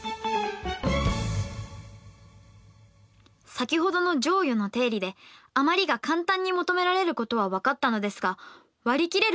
先ほどの剰余の定理で余りが簡単に求められることは分かったのですがわり切れる